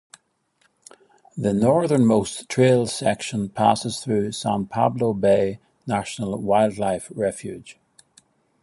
The northernmost trail section passes through San Pablo Bay National Wildlife Refuge.